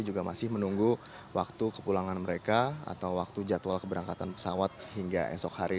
juga masih menunggu waktu kepulangan mereka atau waktu jadwal keberangkatan pesawat hingga esok hari